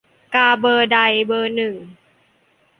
กาเบอร์ใด "เบอร์หนึ่ง"